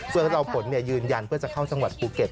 เพื่อให้เราฝนยืนยันเพื่อจะเข้าจังหวัดภูเก็ต